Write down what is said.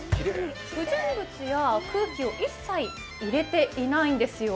不純物や空気を一切入れてないんですよ。